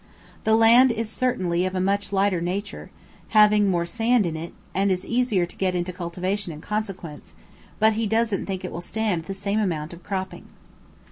The land is certainly of a much lighter nature, having more sand in it, and is easier to get into cultivation in consequence, but he doesn't think it will stand the same amount of cropping.